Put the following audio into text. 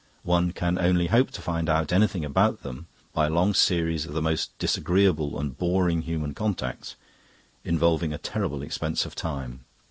One can only hope to find out anything about them by a long series of the most disagreeable and boring human contacts, involving a terrible expense of time.